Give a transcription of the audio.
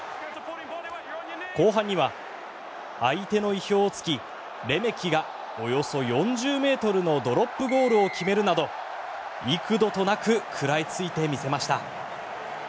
後半には相手の意表を突きレメキがおよそ４０ｍのドロップゴールを決めるなど幾度となく食らいついてみせました。